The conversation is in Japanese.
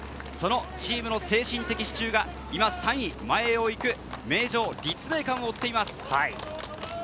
そのチームの精神的支柱が今３位、前を行く名城、立命館を追っています。